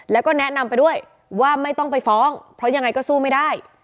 แล้วก็แนะนำไปด้วยว่าไม่ต้องไปฟ้องเพราะยังไงก็สู้ไม่ได้